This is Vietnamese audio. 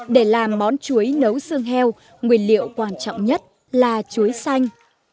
để làm món chuối nấu xương heo nguyên liệu quan trọng nhất là chuối xanh